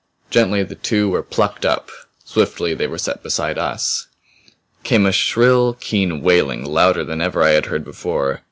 Gently the two were plucked up; swiftly they were set beside us. Came a shrill, keen wailing louder than ever I had heard before.